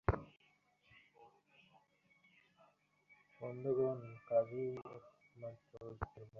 বন্ধুগণ, কাজই একমাত্র ঐক্যের বন্ধন।